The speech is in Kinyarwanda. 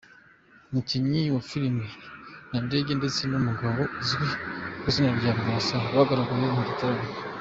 Umukinnyi wa Filime Nadege ndetse n’ umugabo uzwi kwizina rya Rwasa bagaragaye mu gitaramo.